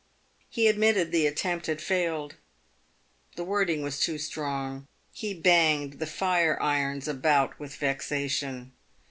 He admitted the attempt had failed. The wording was too strong. He banged the fire irons about with vexation.